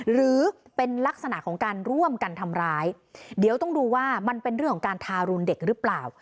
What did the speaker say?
หรือเป็นลักษณะของการร่วมกันทำร้ายเดี๋ยวต้องดูว่ามันเป็นเรื่องของการทารุณเด็กหรือเปล่า